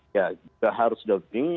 ya harus dumping